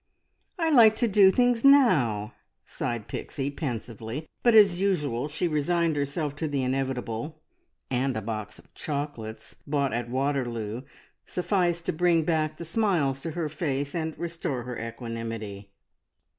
"I like to do things now," sighed Pixie pensively; but as usual she resigned herself to the inevitable, and a box of chocolates, bought at Waterloo, sufficed to bring back the smiles to her face and restore her equanimity.